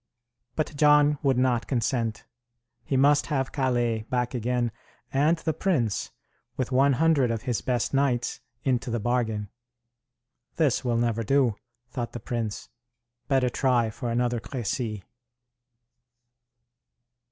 But John would not consent. He must have Calais back again, and the prince, with one hundred of his best knights, into the bargain. "This will never do," thought the prince. "Better try for another Crecy."